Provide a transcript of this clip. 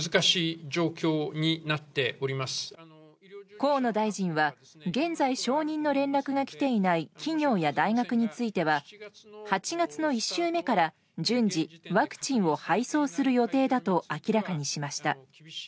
河野大臣は現在、承認の連絡が来ていない企業や大学については８月の１週目から順次ワクチンを配送する予定だと明らかにしました。